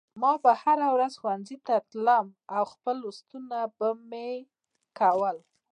ما به هره ورځ ښوونځي ته تلم او خپل لوستونه به مې کول